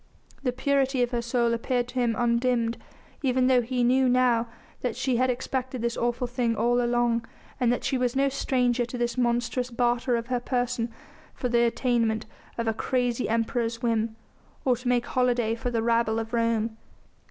The purity of her soul appeared to him undimmed, even though he knew now that she had expected this awful thing all along, and that she was no stranger to this monstrous barter of her person for the attainment of a crazy Emperor's whim, or to make holiday for the rabble of Rome.